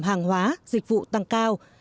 hàng hóa dịch vụ tăng cao